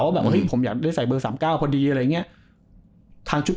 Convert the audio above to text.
แบบเฮ้ยผมอยากได้ใส่เบอร์๓๙พอดีอะไรอย่างนี้